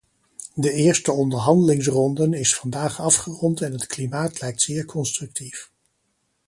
De eerste onderhandelingsronden is vandaag afgerond en het klimaat lijkt zeer constructief.